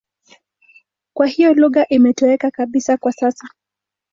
Kwa hiyo lugha imetoweka kabisa kwa sasa.